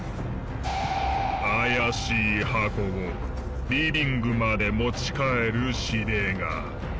怪しい箱をリビングまで持ち帰る指令が。